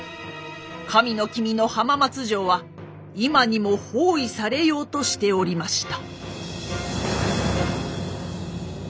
神の君の浜松城は今にも包囲されようとしておりました。